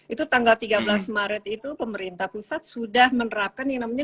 itu tanggal tiga belas maret itu pemerintah pusat sudah menerapkan yang namanya